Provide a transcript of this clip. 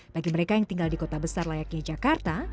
bagi mereka yang tinggal di kota besar layaknya jakarta